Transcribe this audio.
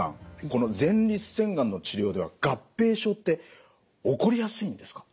この前立腺がんの治療では合併症って起こりやすいんですか？